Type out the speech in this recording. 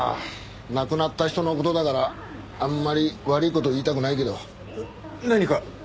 亡くなった人の事だからあんまり悪い事言いたくないけど。何か？